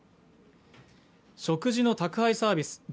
食事の宅配サービス